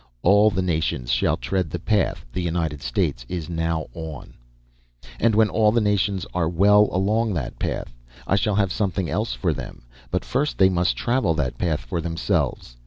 All the nations shall tread the path the United States is now on. "And when all the nations are well along on that path, I shall have something else for them. But first they must travel that path for themselves.